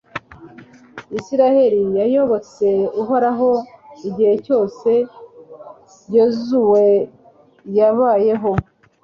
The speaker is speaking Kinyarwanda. israheli yayobotse uhoraho igihe cyose yozuwe yabayeho